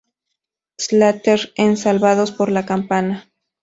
Slater" en "Salvados por la campana".